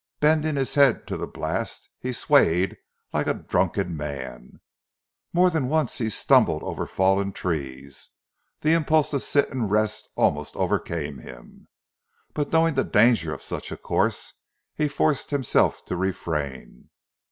Bending his head to the blast he swayed like a drunken man. More than once as he stumbled over fallen trees the impulse to sit and rest almost overcame him; but knowing the danger of such a course he forced himself to refrain.